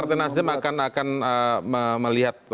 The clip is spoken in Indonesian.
artinya nasdem akan melihat